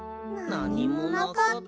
なにもなかった。